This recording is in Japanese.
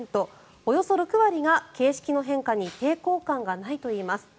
およそ６割が形式の変化に抵抗感がないといいます。